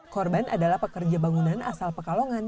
korban adalah pekerja bangunan asal pekalongan